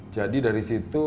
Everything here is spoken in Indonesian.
jadi dari situ